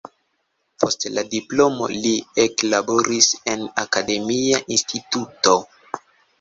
Post la diplomo li eklaboris en akademia instituto.